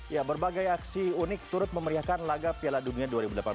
ya berbagai aksi unik turut memeriahkan laga piala dunia dua ribu delapan belas